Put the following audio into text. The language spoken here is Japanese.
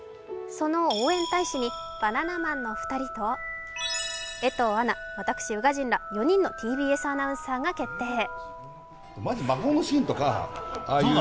その応援大使にバナナマンの２人と江藤アナ、私、宇賀神ら４人のＴＢＳアナウンサーが決定。